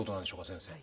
先生。